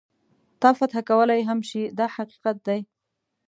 تا فتح کولای هم شي دا حقیقت دی.